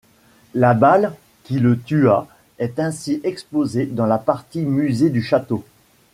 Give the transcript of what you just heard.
La balle qui le tua est ainsi exposée dans la partie musée du château.